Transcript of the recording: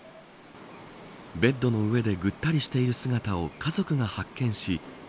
ベッドの上でぐったりしている姿を家族が発見し１１９